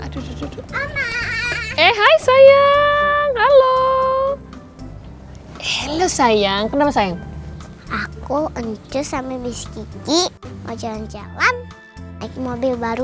daripada squat dan bebek